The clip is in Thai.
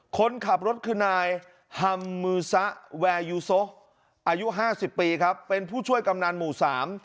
คนขับรถคืนายอายุห้าสิบปีครับเป็นผู้ช่วยกำนานหมู่สาม